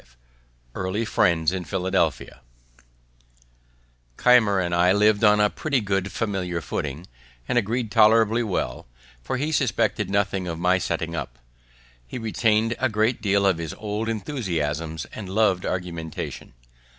V EARLY FRIENDS IN PHILADELPHIA Keimer and I liv'd on a pretty good familiar footing, and agreed tolerably well, for he suspected nothing of my setting up. He retained a great deal of his old enthusiasms and lov'd argumentation.